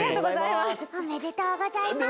おめでとうございます！